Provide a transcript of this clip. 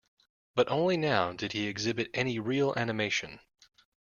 But only now did he exhibit any real animation.